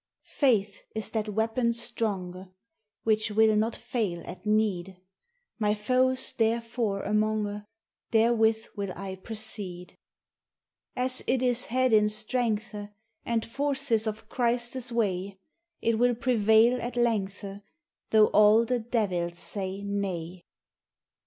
137 Faith is thai weapon stronge, Which wil not faile at nede; Mv foes therefere amonge, Therewith wil I procede. As it is had in strengthe, And forces of Christes wave, It wil prevaile at lengthe, Though all the devils saye naye.